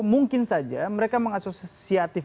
mungkin saja mereka mengasosiatif